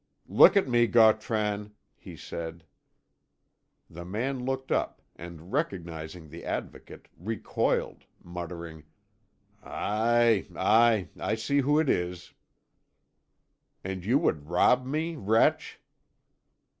"Look at me, Gautran," he said. The man looked up, and recognising the Advocate, recoiled, muttering: "Aye, aye I see who it is." "And you would rob me, wretch!"